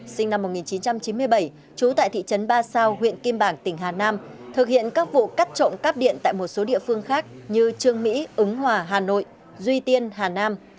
sinh năm một nghìn chín trăm chín mươi bảy trú tại thị trấn ba sao huyện kim bảng tỉnh hà nam thực hiện các vụ cắt trộm cắp điện tại một số địa phương khác như trương mỹ ứng hòa hà nội duy tiên hà nam